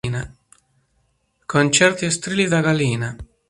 Con certi strilli da gallina.